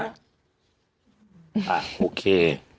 อ่ะโอเค